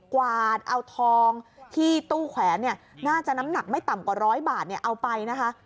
กวาดเอาทองที่ตู้แขวนเนี่ยน่าจะน้ำหนักไม่ต่ำกว่าร้อยบาทเอาไปนะคะ